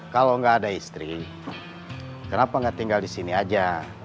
kalau nggak ada istri kenapa nggak tinggal di sini aja